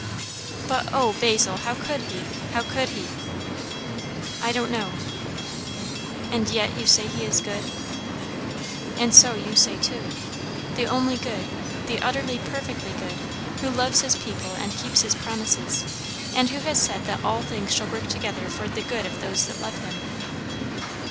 "But, O Basil! how could he? how could he?" "I don't know." "And yet you say he is good?" "And so you say too. The only good; the utterly, perfectly good; who loves his people, and keeps his promises, and who has said that all things shall work together for the good of those that love him."